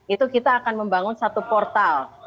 itu kita akan membangun satu portal